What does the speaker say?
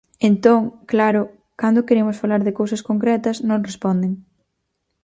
Entón, claro, cando queremos falar de cousas concretas, non responden.